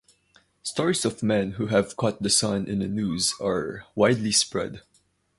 Stories of men who have caught the sun in a noose are widely spread.